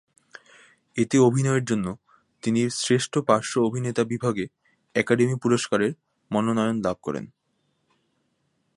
এতে অভিনয়ের জন্য তিনি শ্রেষ্ঠ পার্শ্ব অভিনেতা বিভাগে একাডেমি পুরস্কারের মনোনয়ন লাভ করেন।